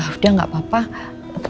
udah gak apa apa